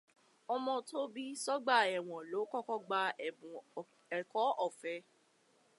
Ọmọ tó bí sọ́gbà ẹ̀wọ̀n ló kọ̀kọ́ gba ẹ̀bùn ẹ̀kọ́ ọ̀fẹ́.